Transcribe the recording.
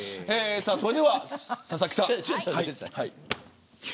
それでは佐々木さん。